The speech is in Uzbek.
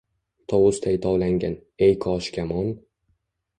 Tovusday tovlangin, ey qoshi kamon